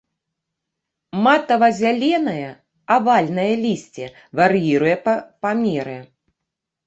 Матава-зяленае, авальнае лісце вар'іруе па памеры.